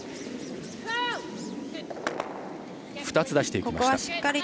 ２つ出していきました。